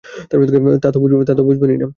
তা তো বুঝবেই না।